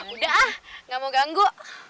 udah ah nggak mau ganggu